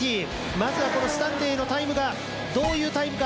まずはこのスタンレーのタイムがどういうタイムか。